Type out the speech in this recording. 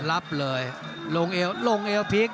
รับเลยลงเอลพีค